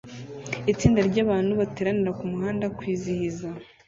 Itsinda ryabantu bateranira kumuhanda kwizihiza